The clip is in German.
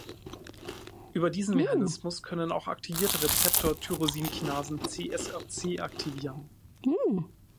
Über diesen Mechanismus können auch aktivierte Rezeptor-Tyrosinkinasen c-Src aktivieren.